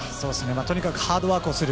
とにかくハードワークをする。